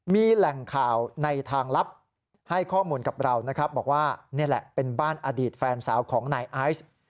มีแหล่งข่าวในทางลับให้ข้อมูลกับเรานะครับบอกว่านี่แหละเป็นบ้านอดีตแฟนสาวของนายไอซ์